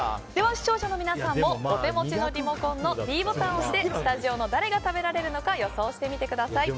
視聴者の皆さんもお手持ちのリモコンのｄボタンを押してスタジオの誰が食べられるのか予想してみてください。